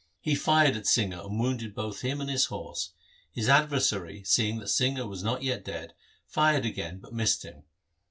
He fired at Singha and wounded both him and his horse. His adversary, seeing that Singha was not yet dead, fired again but missed him.